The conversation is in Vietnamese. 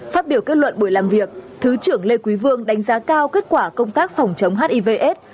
phát biểu kết luận buổi làm việc thứ trưởng lê quý vương đánh giá cao kết quả công tác phòng chống hivs